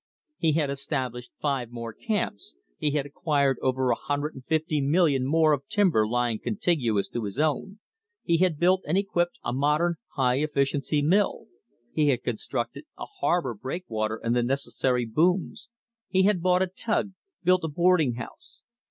He had established five more camps, he had acquired over a hundred and fifty million more of timber lying contiguous to his own, he had built and equipped a modern high efficiency mill, he had constructed a harbor break water and the necessary booms, he had bought a tug, built a boarding house.